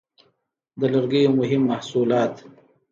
د لرګیو مهم محصولات: